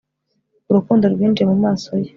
urukundo rwinjiye mu maso ye